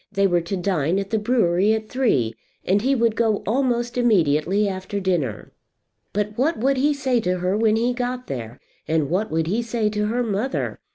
They were to dine at the brewery at three, and he would go almost immediately after dinner. But what would he say to her when he got there, and what would he say to her mother?